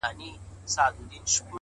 د پخلنځي د لوګي نرمي فضا بدلوي؛